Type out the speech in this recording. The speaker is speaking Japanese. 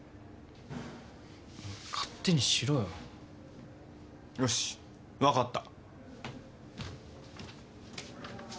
勝手にしろよ。よし分かった。